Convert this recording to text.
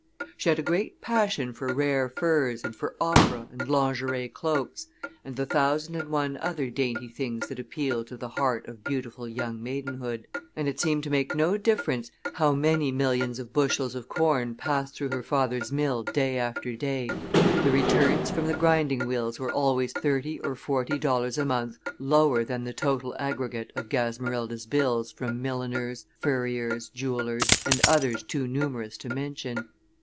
She had a great passion for rare furs and for opera and lingerie cloaks, and the thousand and one other dainty things that appeal to the heart of beautiful young maidenhood, and it seemed to make no difference how many millions of bushels of corn passed through her father's mill day after day, the returns from the grinding wheels were always thirty or forty dollars a month lower than the total aggregate of Gasmerilda's bills from milliners, furriers, jewelers, and others too numerous to mention.